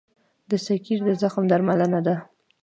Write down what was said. د سکېر د زخم درملنه ده.